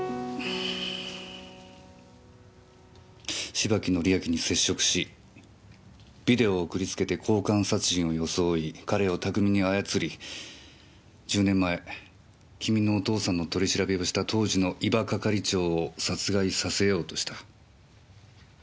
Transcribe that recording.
芝木倫明に接触しビデオを送りつけて交換殺人を装い彼を巧みに操り１０年前君のお父さんの取り調べをした当時の伊庭係長を殺害させようとした。